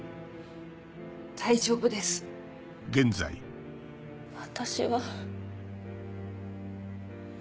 大丈夫です私は。